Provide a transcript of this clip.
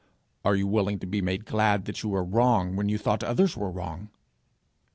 Are you willing to be made glad that you were wrong when you thought others were wrong?